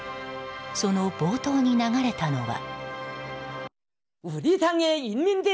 その冒頭に流れたのは。